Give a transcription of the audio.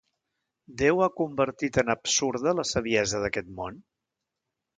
Déu ha convertit en absurda la saviesa d'aquest món?